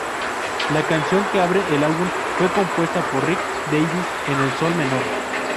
La canción, que abre el álbum, fue compuesta por Rick Davies en Sol menor.